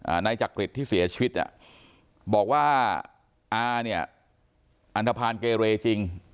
อ่านายจักริตที่เสียชีวิตบอกว่าเอาก็เนี่ยอัณฑพานแกเมจีง